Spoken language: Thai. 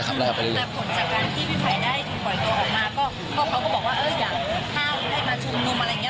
แต่ผลจากการที่พี่ไผ่ได้ถูกปล่อยตัวออกมาก็เขาก็บอกว่าเอออยากเข้าได้มาชุมนุมอะไรอย่างนี้